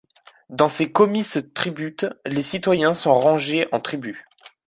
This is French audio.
Dans ces comices tributes les citoyens sont rangés en tribus.